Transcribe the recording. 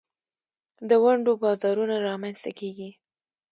د ونډو بازارونه رامینځ ته کیږي.